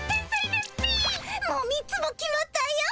もう３つも決まったよ。